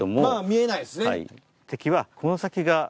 見えないですね。